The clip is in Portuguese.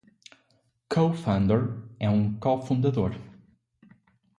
Cofounder é um co-fundador.